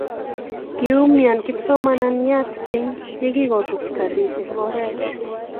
Kiumian kipsomanian ye kingorus karit eng oree.